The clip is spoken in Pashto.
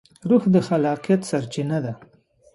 روح د خلاقیت سرچینه ده.